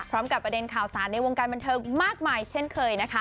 ประเด็นข่าวสารในวงการบันเทิงมากมายเช่นเคยนะคะ